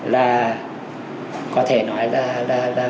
là có thể nói là